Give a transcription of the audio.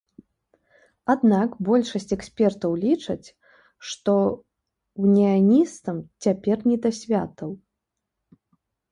Аднак большасць экспертаў лічаць, што ўніяністам цяпер не да святаў.